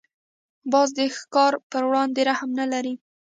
باز د ښکار پر وړاندې رحم نه لري